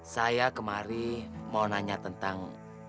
saya kemarin mau nanya tentang